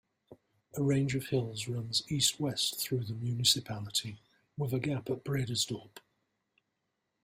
A range of hills runs east-west through the municipality with a gap at Bredasdorp.